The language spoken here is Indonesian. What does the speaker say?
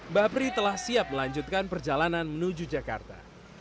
mbah pri telah siap melanjutkan perjalanan menuju jakarta